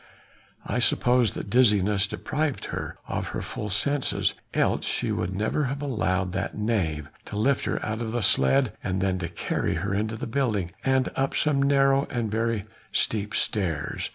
I suppose that dizziness deprived her of her full senses, else she would never have allowed that knave to lift her out of the sledge and then to carry her into a building, and up some narrow and very steep stairs.